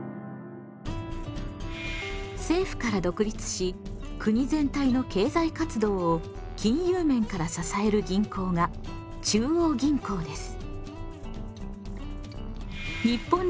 政府から独立し国全体の経済活動を金融面から支える銀行が中央銀行です。